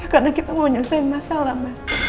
ya karena kita mau nyelesaikan masalah mas